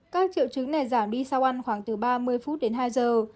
các triệu chứng này giảm đi sau ăn khoảng từ ba mươi phút đến hai giờ